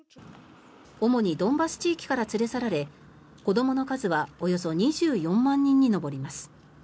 主にドンバス地域から連れ去られ子どもの数はおよそ２４万人に上ります。